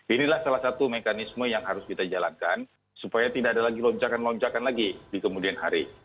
inilah salah satu mekanisme yang harus kita jalankan supaya tidak ada lagi lonjakan lonjakan lagi di kemudian hari